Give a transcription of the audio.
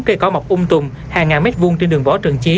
cây có mọc ung tùm hàng ngàn mét vuông trên đường võ trường chí